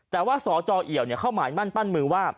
แต่ว่าสจเอี่ยวเข้าหมายมั่นปั้นมือว่า